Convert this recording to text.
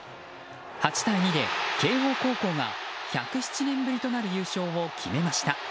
８対２で慶應高校が１０７年ぶりとなる優勝を決めました。